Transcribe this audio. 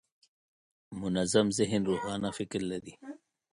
منظم ذهن روښانه فکر لري.